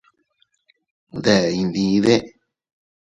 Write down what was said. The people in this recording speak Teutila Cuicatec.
¿Deʼe iydide?